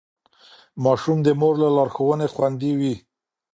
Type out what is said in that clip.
ماشوم د مور له لارښوونې خوندي وي.